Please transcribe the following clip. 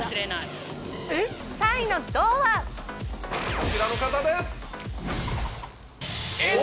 こちらの方です。